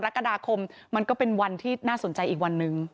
นักฐานกรรณกรรมมันก็เป็นวันที่น่าสนใจอีกวันนึง